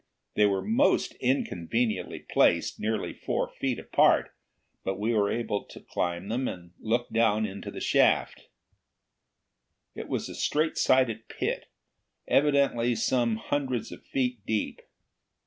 They were most inconveniently placed, nearly four feet apart; but we were able to climb them, and to look down the shaft. It was a straight sided pit, evidently some hundreds of feet deep.